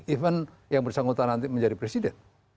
even yang bersangkutan nanti menjadi presiden